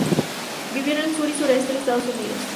Vivió en el sur y suroeste de Estados Unidos.